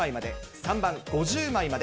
３番、５０枚まで。